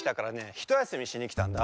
ひとやすみしにきたんだ。